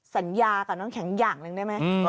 สัญญากับน้ำแข็งอย่างหนึ่งได้ไหม